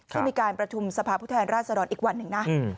ก็จะมีการประทุมสภาพุทธแหล่งราษฎรอลอีกวันหนึ่งนะ